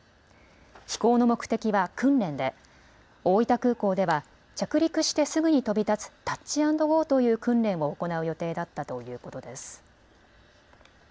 飛行の目的は訓練で大分空港では着陸してすぐに飛び立つタッチアンドゴーという訓練を行う予定だったということです。